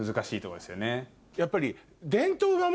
やっぱり。